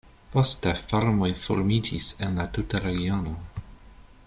Poste farmoj formiĝis en la tuta regiono.